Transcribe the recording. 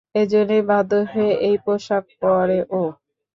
এজন্যই বাধ্য হয়ে এই পোশাক পরে ও।